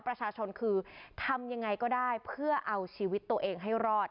ประชาชนคือทำยังไงก็ได้เพื่อเอาชีวิตตัวเองให้รอด